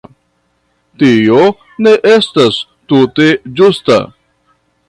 Tio ne estas tute ĝusta.